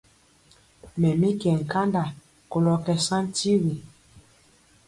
Mɛ mi nkanda kolɔ kɛ saŋ tigi.